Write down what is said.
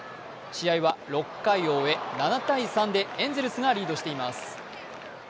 試合は６回を終え、７−３でエンゼルスがリードしています。